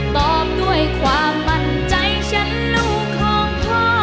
ตอบด้วยความมั่นใจฉันลูกของพ่อ